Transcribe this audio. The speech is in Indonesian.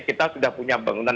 kita sudah punya bangunan